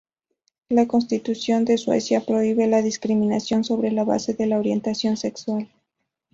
La Constitución de Suecia prohíbe la discriminación sobre la base de la "orientación sexual".